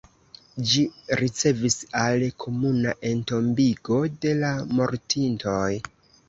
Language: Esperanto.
Ĝi servis al komuna entombigo de la mortintoj.